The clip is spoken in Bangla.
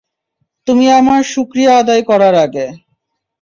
তুমি আমার শুকরিয়া আদায় করার আগে।